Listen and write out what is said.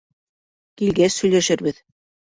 Килгәс һөйләшербеҙ.